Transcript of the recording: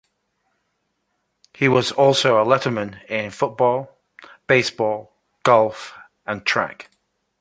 He was also a letterman in football, baseball, golf and track.